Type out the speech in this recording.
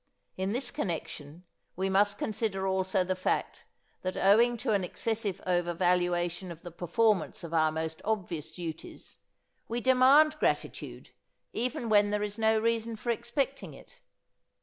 In this connection, we must consider also the fact that owing to an excessive overvaluation of the performance of our most obvious duties, we demand gratitude even when there is no reason for expecting it.